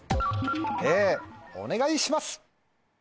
Ａお願いします！